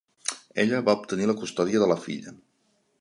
Ella va obtenir la custòdia de la filla.